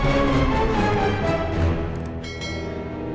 aku akan mencari siapa saja yang bisa membantu kamu